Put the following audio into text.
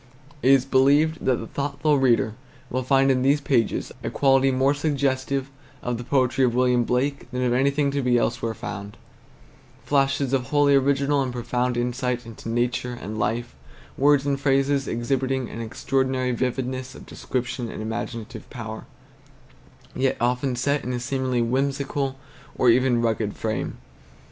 It is believed that the thoughtful reader will find in these pages a quality more suggestive of the poetry of William Blake than of anything to be elsewhere found, flashes of wholly original and profound insight into nature and life; words and phrases exhibiting an extraordinary vividness of descriptive and imaginative power, yet often set in a seemingly whimsical or even rugged frame.